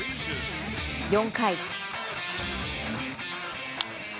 ４回。